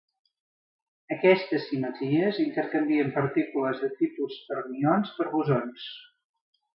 Aquestes simetries intercanvien partícules de tipus fermions per bosons.